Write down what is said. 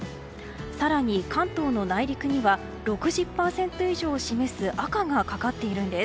更に関東の内陸には６０％以上を示す赤がかかっているんです。